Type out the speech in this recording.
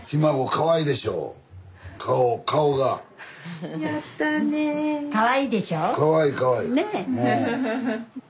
かわいいかわいい。